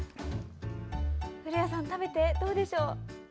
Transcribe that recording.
古谷さん、食べてどうでしょう？